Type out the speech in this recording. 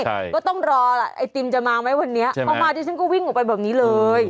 ก็ต้องรอไอติมจะมาไหมวันนี้ออกมาเดี๋ยวฉันก็วิ่งออกไปแบบนี้เลย